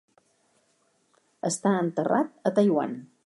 Està enterrat a Taiwan.